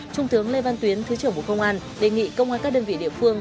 trung tướng lê văn tuyến thứ trưởng bộ công an đề nghị công an các đơn vị địa phương